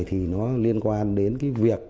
thì nó liên quan đến cái việc